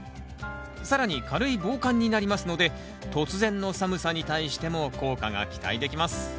更に軽い防寒になりますので突然の寒さに対しても効果が期待できます